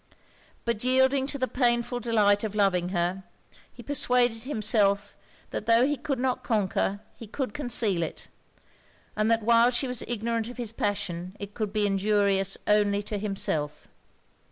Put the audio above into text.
But yielding to the painful delight of loving her, he persuaded himself that tho' he could not conquer he could conceal it; and that while she was ignorant of his passion it could be injurious only to himself.